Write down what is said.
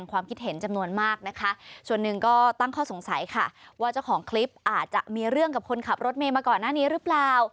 ว่าเจ้าของคลิปอาจจะมีเรื่องกับคนขับรถเมล์มาก่อนหน้านี้หรือเปล่า